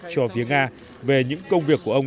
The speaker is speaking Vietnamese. cho phía nga về những công việc của ông